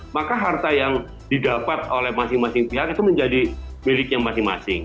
maka harta yang didapat oleh masing masing pihak itu menjadi miliknya masing masing